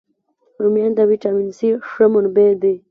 رومیان د ویټامین C ښه منبع دي